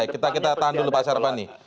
kita tahan dulu pasar pani